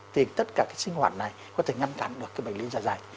thì tất cả cái sinh hoạt này có thể ngăn cản được cái bệnh lý giả giải